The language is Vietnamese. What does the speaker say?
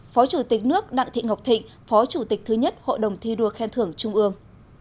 phó chủ tịch nước đặng thị ngọc thịnh phó chủ tịch thứ nhất hội đồng thi đua khen thưởng trung ương